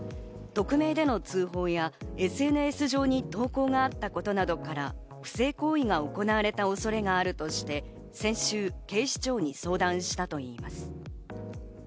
匿名での通報やＳＮＳ上に投稿があったことなどから不正行為が行われた恐れがあるとして先週、警視庁に相談したといいます。